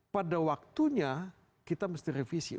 pada waktunya kita mesti revisi